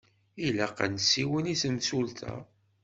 Ilaq ad nsiwel i temsulta.